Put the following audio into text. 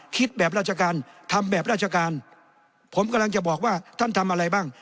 คิดแบบราชการทำแบบราชการผมกำลังจะบอกว่าท่านทำอะไรบ้าง